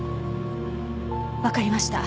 わかりました。